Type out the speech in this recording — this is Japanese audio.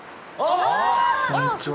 こんにちは。